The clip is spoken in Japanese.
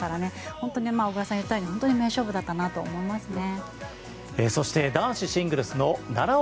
本当に小椋さんが言ったように名勝負だったなと思いますね。